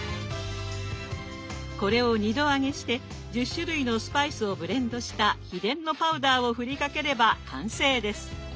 これを２度揚げして１０種類のスパイスをブレンドした秘伝のパウダーをふりかければ完成です。